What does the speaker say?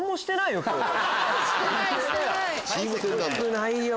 よくないよ！